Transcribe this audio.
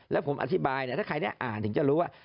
แล้วผมอธิบายถ้าใครได้อ่านถึงจะรู้ว่า